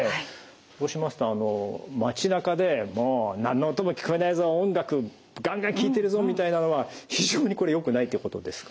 そうしますとあの街なかでもう何の音も聞こえないぞ音楽ガンガン聴いてるぞみたいなのは非常によくないってことですかね。